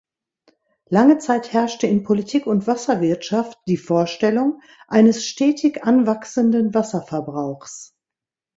Lange Zeit herrschte in Politik und Wasserwirtschaft die Vorstellung eines stetig anwachsenden Wasserverbrauchs.